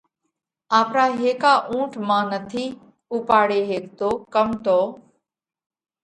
آپرا هيڪا اُونٺ مانه نٿِي اُوپاڙي هيڪتو ڪم تو